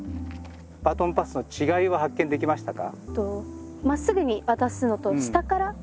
バトンパスの違いは発見できましたか？